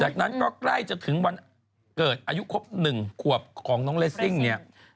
จากนั้นก็ใกล้จะถึงวันเกิดอายุครบ๑ขวบของน้องเลสซิ่งเนี่ย